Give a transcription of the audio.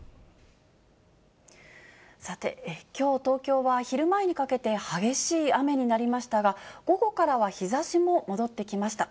さて、きょう東京は、昼前にかけて、激しい雨になりましたが、午後からは日ざしも戻ってきました。